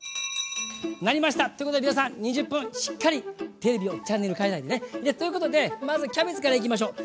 鳴りました！ということで皆さん２０分しっかりテレビをチャンネル替えないでね。ということでまずキャベツからいきましょう。